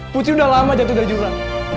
putri udah lama jatuh dari jurang